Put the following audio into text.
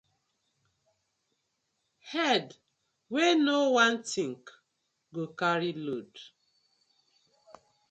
Head wey no wan think, go carry load: